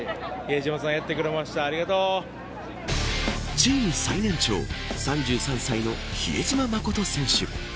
チーム最年長３３歳の比江島慎選手。